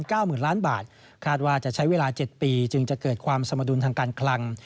เก้าหมื่นล้านบาทคาดว่าจะใช้เวลาเจ็ดปีจึงจะเกิดความสมดุลทางการคลัง